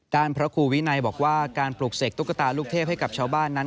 พระครูวินัยบอกว่าการปลูกเสกตุ๊กตาลูกเทพให้กับชาวบ้านนั้น